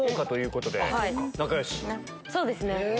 そうですね。